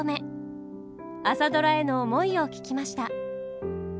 「朝ドラ」への思いを聞きました。